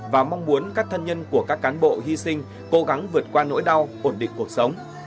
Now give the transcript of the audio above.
và mong muốn các thân nhân của các cán bộ hy sinh cố gắng vượt qua nỗi đau ổn định cuộc sống